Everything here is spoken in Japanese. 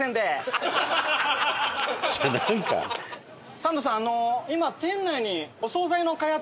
サンドさん今えっ？